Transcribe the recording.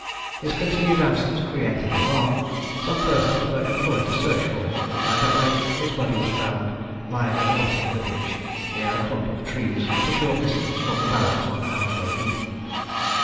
His continued absence creating alarm, some persons were employed to search for him, and at length his body was found lying at the bottom of a ditch, near a clump of trees, at a short distance from the barracks on Hounslow Heath.